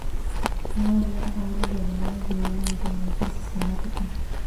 No había aulas regulares, ni una metodología sistemática.